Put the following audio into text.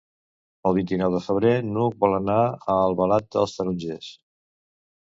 El vint-i-nou de febrer n'Hug vol anar a Albalat dels Tarongers.